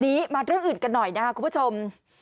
มาเรื่องอื่นกันหน่อยนะครับคุณผู้ชม